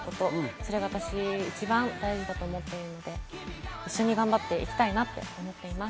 それが私、一番大事だと思っているので一緒に頑張っていきたいなと思っています。